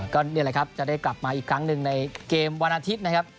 ก็นี่แหละครับจะได้กลับมาอีกครั้งหนึ่งในเกมวันอาทิตย์นะครับ